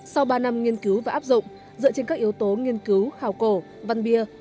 sau ba năm nghiên cứu và áp dụng dựa trên các yếu tố nghiên cứu khảo cổ văn bia